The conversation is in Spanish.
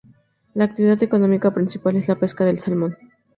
La actividad económica principal es la pesca del salmón.